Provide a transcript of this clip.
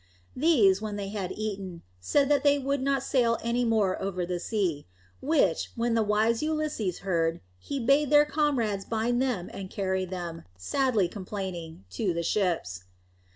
These, when they had eaten, said that they would not sail any more over the sea; which, when the wise Ulysses heard, he bade their comrades bind them and carry them, sadly complaining, to the ships.